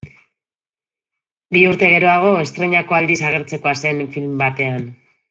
Bi urte geroago estreinako aldiz agertzekoa zen film batean.